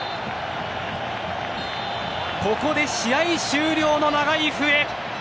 ここで試合終了の長い笛！